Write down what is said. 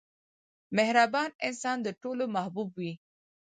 • مهربان انسان د ټولو محبوب وي.